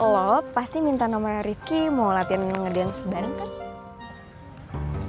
lo pasti minta nomor ritki mau latihan ngerdekan sebarang kan